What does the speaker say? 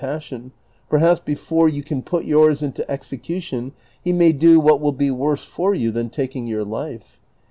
sion, perhaps be fore you can put 3'ours into execution he may do wliat will be worse for you than taking your life.